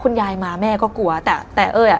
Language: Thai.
คุณยายมาแม่ก็กลัวแต่แต่เอ้ยอ่ะ